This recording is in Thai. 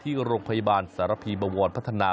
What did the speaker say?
ที่โรงพยาบาลสารพีบวรพัฒนา